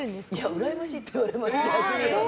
うらやましいって言われます。